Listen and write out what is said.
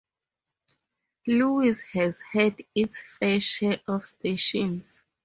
Lewes has had its fair share of stations.